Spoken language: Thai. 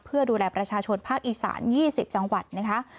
เพื่อดูแลประชาชนภาคอีสาน๒๐จังหวัดนะคะ